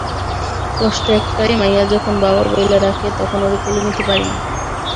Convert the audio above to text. কষ্ট একটাই—মাইয়া যখন বাবা বইল্যা ডাকে, তখন ওরে কোলে নিতে পারি না।